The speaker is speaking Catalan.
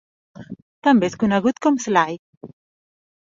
També és conegut com Sly.